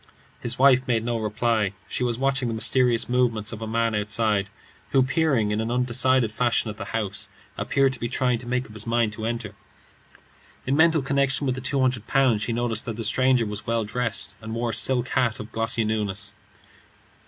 His wife made no reply. She was watching the mysterious movements of a man outside, who, peering in an undecided fashion at the house, appeared to be trying to make up his mind to enter. In mental connection with the two hundred pounds, she noticed that the stranger was well dressed, and wore a silk hat of glossy newness.